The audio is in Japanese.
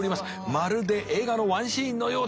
まるで映画のワンシーンのようだ。